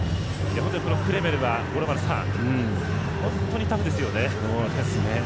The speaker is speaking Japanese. クレメルは本当にタフですよね。